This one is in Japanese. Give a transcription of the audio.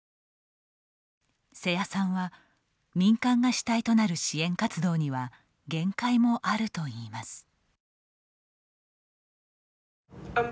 瀬谷さんは民間が主体となる支援活動には限界もあるといいます。